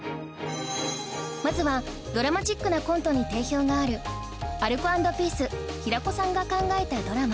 まずはドラマチックなコントに定評があるアルコ＆ピース平子さんが考えたドラマ